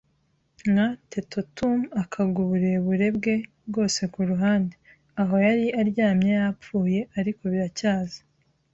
nka teetotum akagwa uburebure bwe bwose kuruhande, aho yari aryamye yapfuye, ariko biracyaza